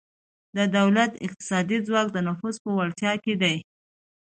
د دولت اقتصادي ځواک د نفوذ په وړتیا کې دی